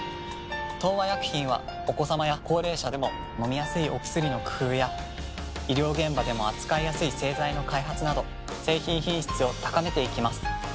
東和薬品はお子さまや高齢者でも飲みやすいお薬の工夫や医療現場でも扱いやすい製剤の開発など製品品質を高めていきます。